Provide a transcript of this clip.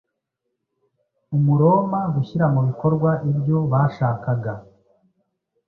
Umuroma gushyira mu bikorwa ibyo bashakaga.